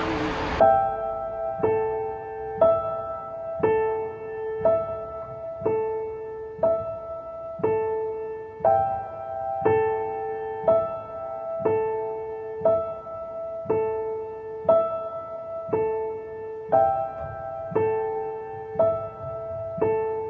วิธีนักศึกษาติธรรมชาติ